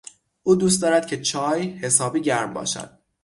او دوست دارد که چای، حسابی گرم باشد.